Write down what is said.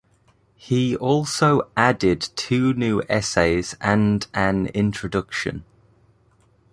He also added two new essays and an introduction.